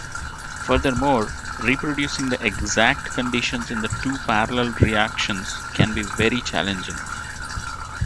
Furthermore, reproducing the exact conditions in the two parallel reactions can be very challenging.